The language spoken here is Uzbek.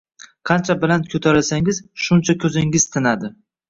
Qancha baland ko’tarilsangiz, shuncha ko’zingiz tinadi.